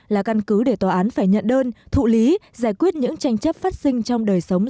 là căn cứ để tòa án phải nhận đơn thụ lý giải quyết những tranh chấp phát sinh trong đời sống